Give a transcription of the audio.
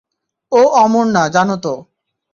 ও অমর না, জানো তো।